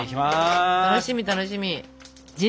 楽しみ楽しみ！